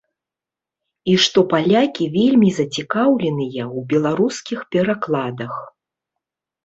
І што палякі вельмі зацікаўленыя ў беларускіх перакладах.